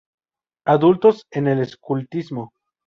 Adultos en el escultismo.